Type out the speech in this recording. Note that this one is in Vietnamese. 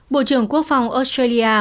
bộ trưởng quốc phòng australia